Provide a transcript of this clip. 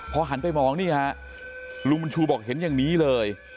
พอหันไปมองนี่ฮะลุงบุญชูบอกเห็นอย่างนี้เลย